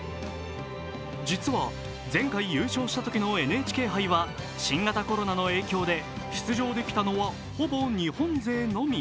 実は、前回優勝したときのＮＨＫ杯は新型コロナの影響で出場できたのは、ほぼ日本勢のみ。